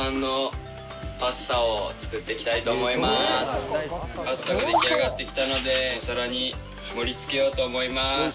パスタが出来上がってきたのでお皿に盛り付けようと思います。